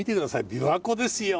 琵琶湖ですよ！